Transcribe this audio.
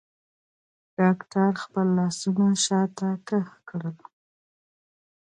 ډاکتر خپل لاسونه شاته کښ کړل.